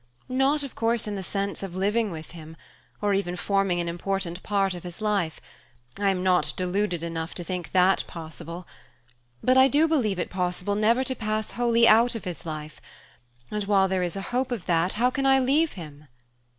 Not, of course, in the sense of living with him, or even forming an important part of his life; I am not deluded enough to think that possible. But I do believe it possible never to pass wholly out of his life; and while there is a hope of that, how can I leave him?"